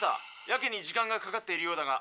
やけに時間がかかっているようだが」。